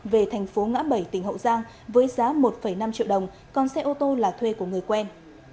về thành phố ngã bảy tỉnh hậu giang với giá một năm triệu đồng còn xe ô tô là thuê của người quen